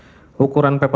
apa ada ukuran lain saat itu